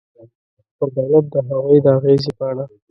پر دولت د هغوی د اغېزې په اړه.